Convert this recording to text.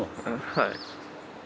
はい。